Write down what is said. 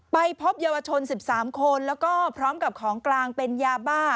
ไปพบเยาวชน๑๓คนแล้วก็พร้อมกับของกลางเป็นยาบ้า